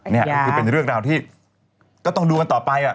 นี่คือเป็นเรื่องราวที่ก็ต้องดูกันต่อไป